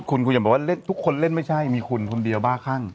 คุณคุณอย่าบอกว่าเล่นทุกคนเล่นไม่ใช่มีคุณคนเดียวบ้าคั่ง